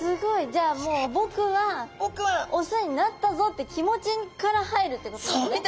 じゃあもうぼくはオスになったぞって気持ちから入るってことですね。